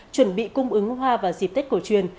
chuẩn bị cung ứng hoa vào dịp tết cổ truyền